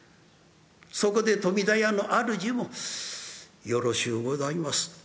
そこで富田屋の主も「よろしゅうございます。